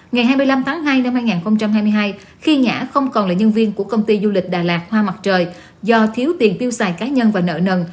ngày hai mươi năm tháng hai năm hai nghìn hai mươi hai khi nhã không còn là nhân viên của công ty du lịch đà lạt hoa mặt trời do thiếu tiền tiêu xài cá nhân và nợ nần